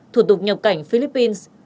thuật tục nhập cảnh philippines